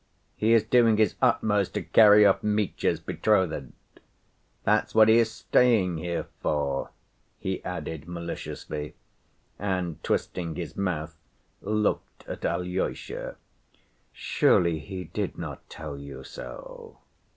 "He is doing his utmost to carry off Mitya's betrothed. That's what he is staying here for," he added maliciously, and, twisting his mouth, looked at Alyosha. "Surely he did not tell you so?"